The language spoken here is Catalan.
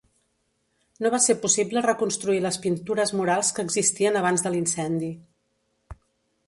No va ser possible reconstruir les pintures murals que existien abans de l'incendi.